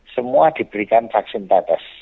semua diberikan vaksin tetes